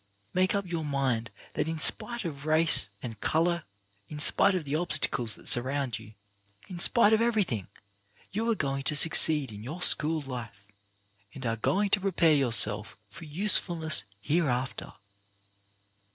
Make up your mind that in spite of race and colour, in spite of the obstacles that surround you, in spite of everything, you are going to suc ceed in your school life, and are going to prepare yourself for usefulness hereafter.